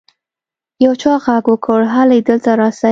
يو چا ږغ وکړ هلئ دلته راسئ.